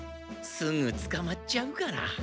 すぐつかまっちゃうから。